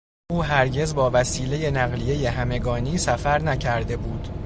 او هرگز با وسیلهی نقلیهی همگانی سفر نکرده بود.